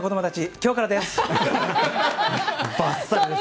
今日からです！